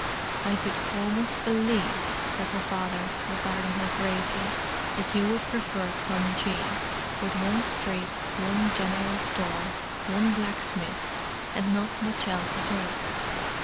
"I could almost believe," said her father, regarding her gravely, "that you would prefer Cunjee, with one street, one general store, one blacksmith's, and not much else at all."